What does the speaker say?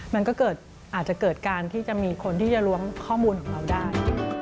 มันก็เกิดอาจจะเกิดการที่จะมีคนที่จะล้วงข้อมูลของเราได้